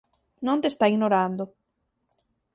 Non te está ignorando.